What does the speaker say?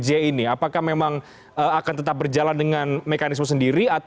yaitu antar semua komisioner